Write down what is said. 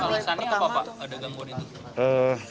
ini di perawasan ini apa pak ada gangguan itu